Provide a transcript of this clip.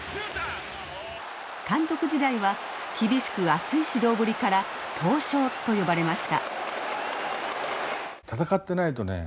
監督時代は厳しく熱い指導ぶりから闘将と呼ばれました。